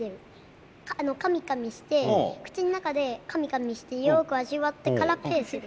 かみかみして口の中でかみかみしてよく味わってからペーする。